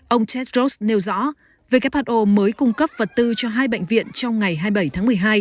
ông tedros nêu rõ who mới cung cấp vật tư cho hai bệnh viện trong ngày hai mươi bảy tháng một mươi hai